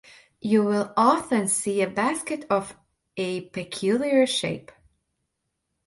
You will often see a basket of a peculiar shape.